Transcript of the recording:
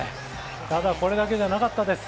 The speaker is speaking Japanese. ただこれだけじゃなかったです。